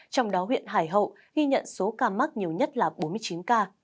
trong đó huyện hải hậu ghi nhận số ca mắc nhiều nhất là bốn mươi chín ca